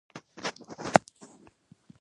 جډیجا په ټولو فرنچائز لیګونو کښي لوبېدلی.